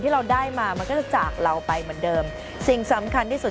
เราได้มามันก็จะจากเราไปเหมือนเดิมสิ่งสำคัญที่สุด